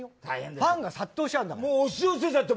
ファンが殺到しちゃうんだから。